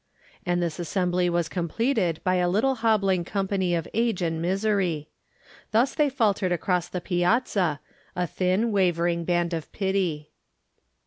And this assembly i\as completed by a little hobbling company of age and misery. Thus they faltered across the piazzay a thin, wavering band of pity.